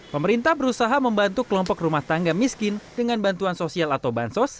pemerintah berusaha membantu kelompok rumah tangga miskin dengan bantuan sosial atau bansos